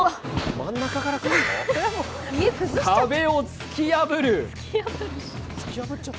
壁を突き破る。